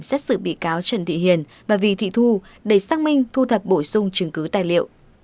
xét xử bị cáo trần thị hiền và vì thị thu để xác minh thu thập bổ sung chứng cứ tài liệu